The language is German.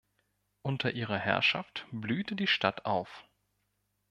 Unter ihrer Herrschaft blühte die Stadt auf.